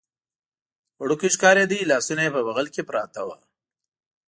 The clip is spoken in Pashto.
وړوکی ښکارېده، لاسونه یې په بغل کې پراته و.